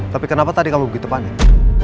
tapi kenapa tadi kamu begitu panik